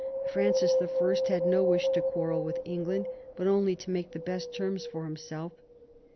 Francis I. had no wish to quarrel with England, but only to make the best terms for him self.